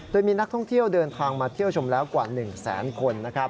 โดยมีนักท่องเที่ยวเดินทางมาเที่ยวชมแล้วกว่า๑แสนคน